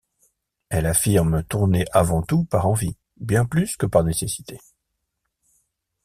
Elle affirme tourner avant tout par envie, bien plus que par nécessité.